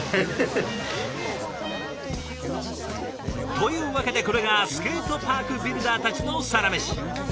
というわけでこれがスケートパークビルダーたちのサラメシ。